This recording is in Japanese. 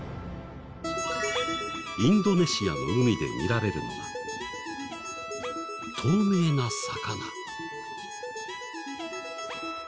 インドネシアの海で見られるのが透明な魚。